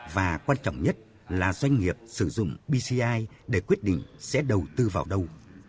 và quan trọng nhất là doanh nghiệp sử dụng bci để quyết định sẽ đầu tư vào đâu